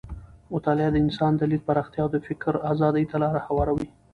مطالعه د انسان د لید پراختیا او د فکر ازادۍ ته لاره هواروي.